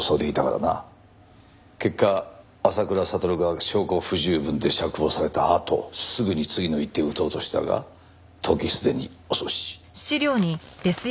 結果浅倉悟が証拠不十分で釈放されたあとすぐに次の一手を打とうとしたが時すでに遅し。